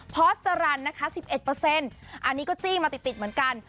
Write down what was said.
พอสตรันนะคะสิบเอ็ดเปอร์เซ็นต์อันนี้ก็จี้มาติดเหมือนกัน